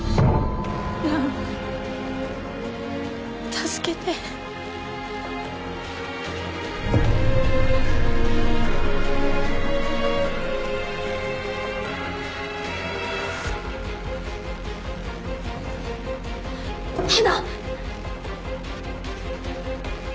蘭助けて花！